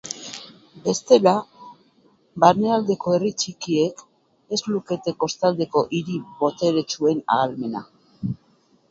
Bestela, barnealdeko herri txikiek ez lukete kostaldeko hiri boteretsuen ahalmena.